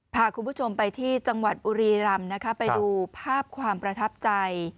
พาคุณผู้ชมไปที่จังหวัดบุรีรำนะคะไปดูภาพความประทับใจ